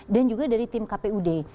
dan juga dari tim kpud